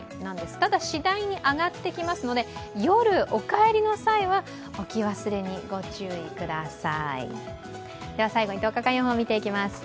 ただ、しだいに上がってきますので夜、お帰りの際には置き忘れにご注意ください。